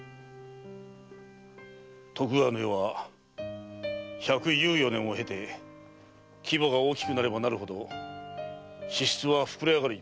徳川の世は百有余年を経て規模が大きくなればなるほど支出は膨れ上がる一方だ。